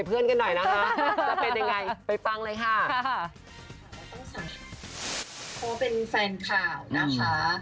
เราเป็นฝันขาวนะคะ